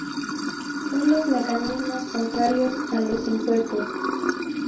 Son los mecanismos contrarios a los impuestos.